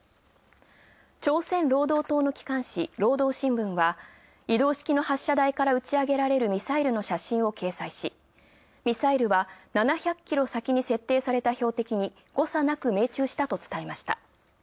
朝鮮労働党の機関紙、労働新聞は、移動式の発射台から打ち上げられるミサイルの写真を掲載し、ミサイルは７００キロ先に設定した標的に誤差なく命中したと伝えました。